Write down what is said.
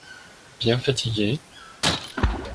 Bien fatigué.